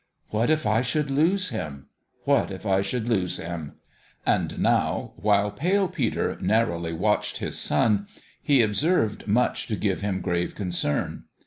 What if I should lose him ? What if I should lose him ? And now, while Pale Peter narrowly watched his son, he observed much to give him grave concern.